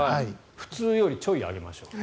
普通よりちょい上げましょう。